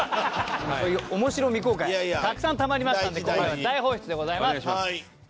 そういう面白未公開たくさんたまりましたので今回は大放出でございます！